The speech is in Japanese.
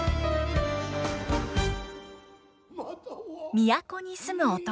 都に住む男。